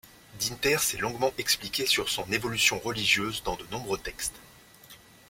Dinter s’est longuement expliqué sur son évolution religieuse dans de nombreux textes.